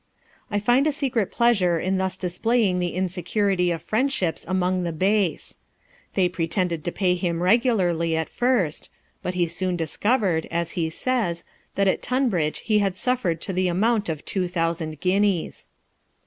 I find a secret pleasure in thus displaying the insecurity of friendships among the base. They pretended to pay him regularly at first ; but he soon discovered, as he says, that at Tunbridge he had suffered to the amount of two thousand guineas.